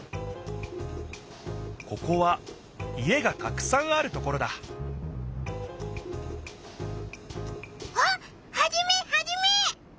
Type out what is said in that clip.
ここは家がたくさんあるところだあっハジメハジメ！